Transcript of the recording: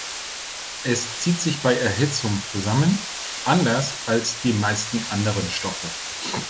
Es zieht sich bei Erhitzung zusammen, anders als die meisten anderen Stoffe.